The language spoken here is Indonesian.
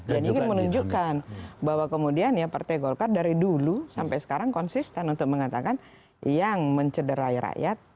jadi menunjukkan bahwa kemudian ya partai golkar dari dulu sampai sekarang konsisten untuk mengatakan yang mencederai rakyat